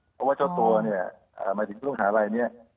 เพราะว่าเจ้าตัวเนี่ยมาถึงตรงหาลัยเนี่ย